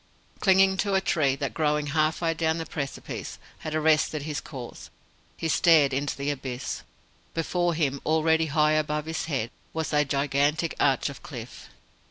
Clinging to a tree that, growing half way down the precipice, had arrested his course, he stared into the abyss. Before him already high above his head was a gigantic arch of cliff.